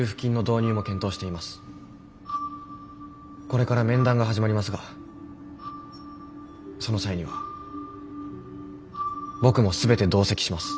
これから面談が始まりますがその際には僕も全て同席します。